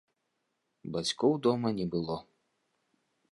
Бацькоў дома не было.